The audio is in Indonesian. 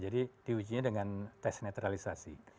jadi di uji dengan tes netralisasi